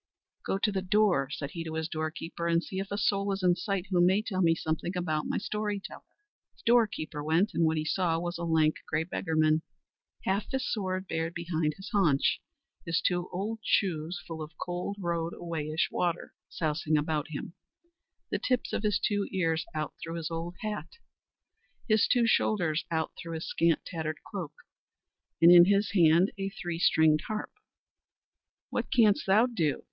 "Go to the door," said he to his doorkeeper, "and see if a soul is in sight who may tell me something about my story teller." The doorkeeper went, and what he saw was a lank, grey beggarman, half his sword bared behind his haunch, his two old shoes full of cold road a wayish water sousing about him, the tips of his two ears out through his old hat, his two shoulders out through his scant, tattered cloak, and in his hand a three stringed harp. "What canst thou do?"